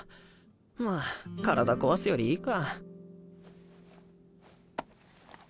まあ体壊すよりいいか。